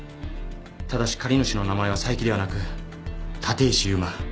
ただし借り主の名前は佐伯ではなく立石悠馬。